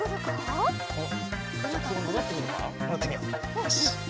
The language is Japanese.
よし。